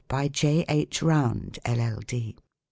J. H. ROUND, LL.D.